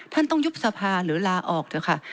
ท่านต้องยุบสภาหรือลาออกเถอะค่ะ